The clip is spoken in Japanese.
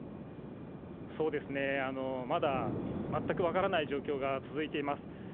まだ全く分からない状況が続いています。